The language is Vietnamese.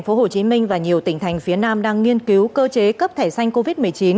tp hcm và nhiều tỉnh thành phía nam đang nghiên cứu cơ chế cấp thẻ xanh covid một mươi chín